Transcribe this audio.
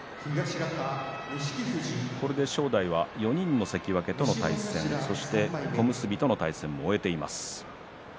これで正代は４人の関脇との対戦そして小結との対戦を終えています。